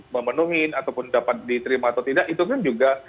memenuhi ataupun dapat diterima atau tidak itu kan juga